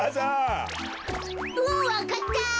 わかった。